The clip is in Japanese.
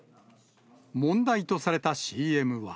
問題とされたＣＭは。